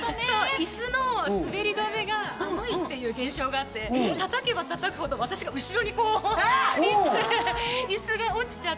椅子の滑り止めが甘いっていう現象があって、叩けば叩くほど私が後ろにこう行って、椅子が落ちちゃって。